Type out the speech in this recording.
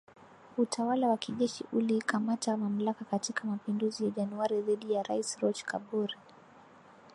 Utawala wa kijeshi ulikamata mamlaka katika mapinduzi ya Januari dhidi ya Rais Roch Kabore